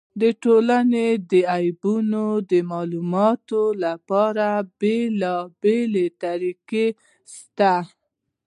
د ټولني د عیبونو د معلومولو له پاره بېلابېلې طریقي سته.